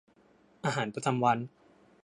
อาหารประจำวัน